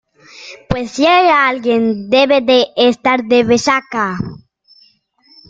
pues si hay alguien, debe de estar de resaca.